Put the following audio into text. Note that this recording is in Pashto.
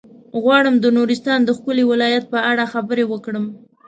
غواړم د نورستان د ښکلي ولايت په اړه خبرې وکړم.